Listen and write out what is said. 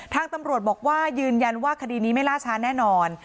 ทางตำรวจบอกว่ายืนยันว่าคดีนี้ไม่ล่าช้าแน่นอน